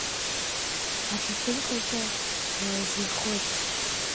Аҭаҭынҟаҵа наизирхоит.